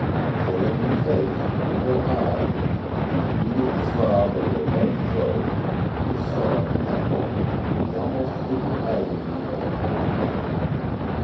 For in her face, in her eyes, in the beating throb of her white throat he saw, in that moment, the almost hidden agony of a hurt thing.